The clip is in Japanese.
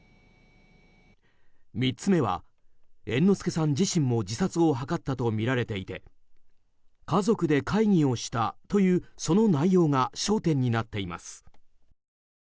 ３つ目は、猿之助さん自身も自殺を図ったとみられていて家族で会議をしたというその内容が焦点になっています。